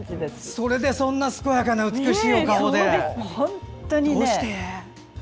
それでそんなに健やかで美しいお顔で。